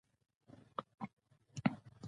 سرحدونه د افغان کلتور په داستانونو کې راځي.